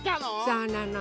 そうなの。